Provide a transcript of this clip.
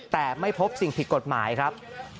แต่ไม่พบสิ่งผิดกฎหมายครับ